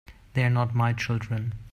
They're not my children.